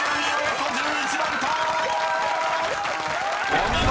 ［お見事！